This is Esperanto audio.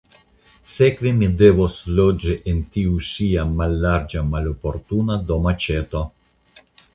Sekve mi devos loĝi en tiu ŝia mallarĝa maloportuna domaĉeto.